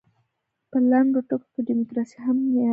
په لنډو ټکو کې ډیموکراسي هم نیابتي شوې ده.